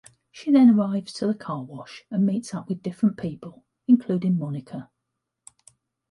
She then arrives to the carwash and meets up with different people, including Monica.